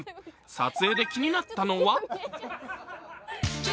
撮影で気になったのは？